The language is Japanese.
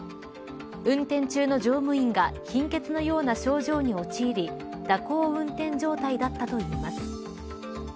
運転中の乗務員が貧血のような症状に陥り蛇行運転状態だったといいます。